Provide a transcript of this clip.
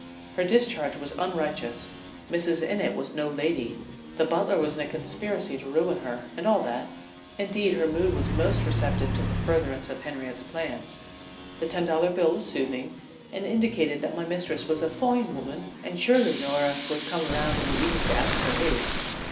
Her discharge was unrighteous; Mrs. Innitt was no lady; the butler was in a conspiracy to ruin her and all that; indeed, her mood was most receptive to the furtherance of Henriette's plans. The ten dollar bill was soothing, and indicated that my mistress was a "foine woman" and "surely Norah would come 'round in the evening to ask her aid."